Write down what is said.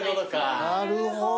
なるほど。